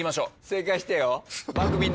正解してよ。